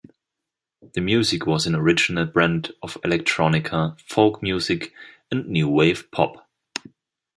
The music was an original brand of electronica, folk music, and new wave pop.